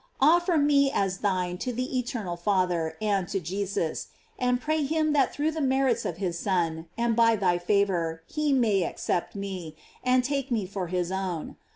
Offer me as thine to the eter nal Father and to Jesus, and pray him that through the merits of his Son, and by thy favor, he may accept me, and take me for his own.